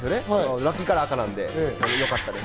ラッキーカラー赤なんで、よかったです。